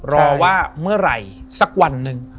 รอว่าเมื่อไหร่สักวันหนึ่ง